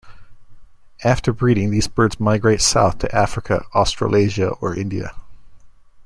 After breeding these birds migrate south to Africa, Australasia or India.